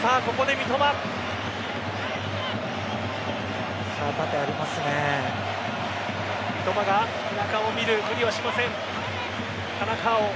三笘が中を見る無理はしません。